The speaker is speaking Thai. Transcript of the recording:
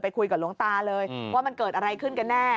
คุยกับหลวงตาเลยว่ามันเกิดอะไรขึ้นกันแน่